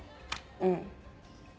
うん。